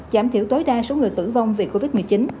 giảm thiểu tối đa số người tử vong vì covid một mươi chín